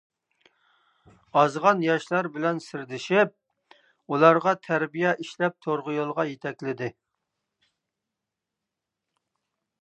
ئازغان ياشلار بىلەن سىردىشىپ، ئۇلارغا تەربىيە ئىشلەپ توغرا يولغا يېتەكلىدى.